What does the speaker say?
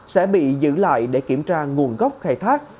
sẽ bị giữ lại để kiểm tra nguồn gốc khai thác